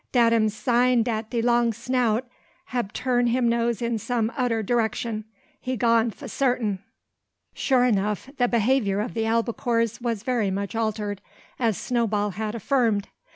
Dat am sign dat de long snout hab turn him nose in some oder direcshun. He gone fo' sartin." Sure enough the behaviour of the albacores was very much altered, as Snowball had affirmed.